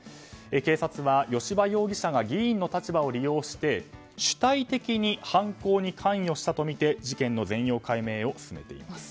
警察は吉羽容疑者が議員の立場を利用して主体的に犯行に関与したとみて事件の全容解明を進めています。